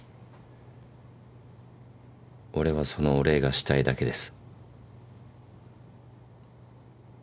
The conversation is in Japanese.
俺はそのお礼がしたいだけです。